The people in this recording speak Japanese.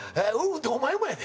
ってお前もやで。